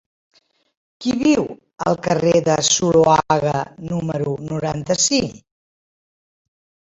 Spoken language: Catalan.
Qui viu al carrer de Zuloaga número noranta-cinc?